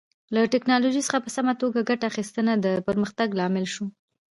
له ټکنالوژۍ څخه په سمه توګه ګټه اخیستنه د پرمختګ لامل شو.